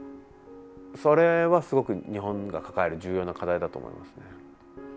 それは、すごく日本が抱える重要な課題だと思いますね。